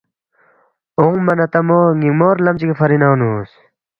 اونگما نہ تا مو ن٘یمور لم چِگی فری ننگ نُو اونگس